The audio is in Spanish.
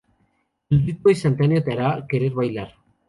El ritmo instantáneo te hará querer bailar.